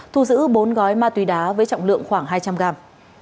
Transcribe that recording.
thu giữ bốn gói ma túy đá với trọng lượng khoảng hai trăm linh gram